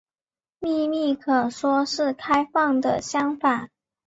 秘密可说是开放的相反。